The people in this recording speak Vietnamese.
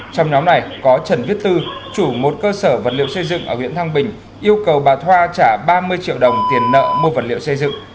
trong nhóm này có trần viết tư chủ một cơ sở vật liệu xây dựng ở huyện thăng bình yêu cầu bà thoa trả ba mươi triệu đồng tiền nợ mua vật liệu xây dựng